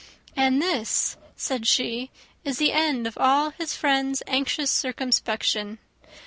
"And this," said she, "is the end of all his friend's anxious circumspection!